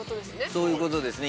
そういうことですね。